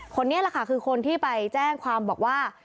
คนนี้แหละค่ะคือคนที่ไปแจ้งความบอกว่า